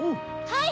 はい！